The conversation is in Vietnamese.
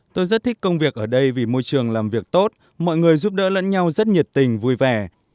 tôi rất thích công việc ở đây vì môi trường làm việc tốt mọi người giúp đỡ lẫn nhau rất nhiệt tình vui vẻ